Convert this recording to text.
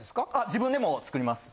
自分でも作ります。